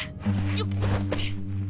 よっ。